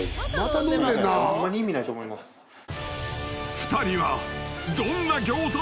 ［２人は］